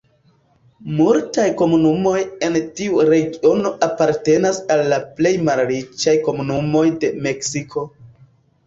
Multaj komunumoj en tiu regiono apartenas al la plej malriĉaj komunumoj de Meksiko.